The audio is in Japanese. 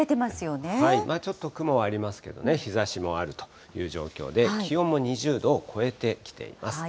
ちょっと雲はありますけどね、日ざしもあるという状況で、気温も２０度を超えてきています。